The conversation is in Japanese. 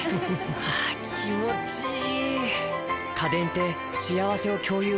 あ気持ちいい！